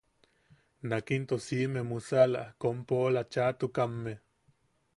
Nak into siʼime musala kom poʼola chaʼatukamme.